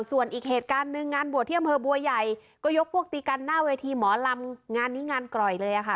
ส่วนอีกเหตุการณ์หนึ่งงานบวชที่อำเภอบัวใหญ่ก็ยกพวกตีกันหน้าเวทีหมอลำงานนี้งานกร่อยเลยค่ะ